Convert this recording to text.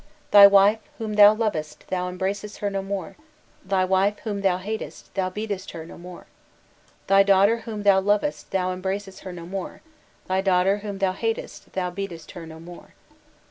Thy wife whom thou lovedst thou embracest her no more; thy wife whom thou hatedst thou beatest her no more. Thy daughter whom thou lovedst thou embracest her no more; thy daughter whom thou hatedst, thou beatest her no more.